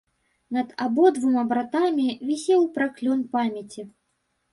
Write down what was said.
Над абодвума братамі вісеў праклён памяці.